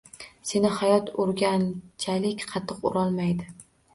Seni hayot urganchalik qattiq urolmaydi!